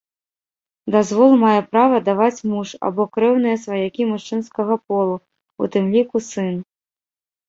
Дазвол мае права даваць муж або крэўныя сваякі мужчынскага полу, у тым ліку сын.